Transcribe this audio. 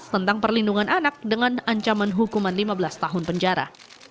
tentang perlindungan anak dengan ancaman hukuman lima belas tahun penjara